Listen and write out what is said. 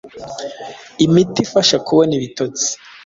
imiti ifasha kubona ibitotsi